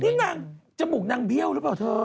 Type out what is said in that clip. นี่นางจมูกนางเบี้ยวหรือเปล่าเธอ